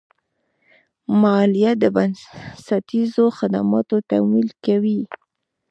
مالیه د بنسټیزو خدماتو تمویل کوي.